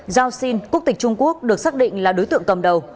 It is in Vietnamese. giao xin quốc tịch trung quốc được xác định là đối tượng cầm đầu